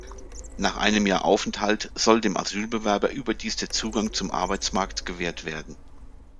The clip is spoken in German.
Nach einem Jahr Aufenthalt soll dem Asylbewerber überdies der Zugang zum Arbeitsmarkt gewährt werden.